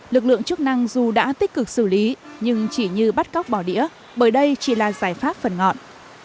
lực lượng chức năng dù đã tích cực xử lý nhưng chỉ như bắt cóc bỏ đĩa bởi đây chỉ là giải pháp phần ngọn